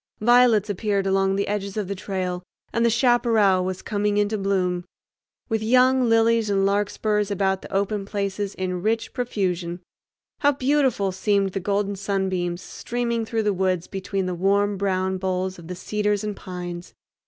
Violets appeared along the edges of the trail, and the chaparral was coming into bloom, with young lilies and larkspurs about the open places in rich profusion. How beautiful seemed the golden sunbeams streaming through the woods between the warm brown boles of the cedars and pines!